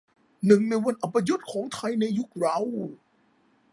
หนึ่งในวันอัปยศของไทยในยุคเรา